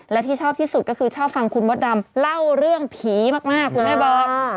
และที่ชอบที่สุดก็คือชอบฟังคุณมดดำเล่าเรื่องผีมากคุณแม่บอก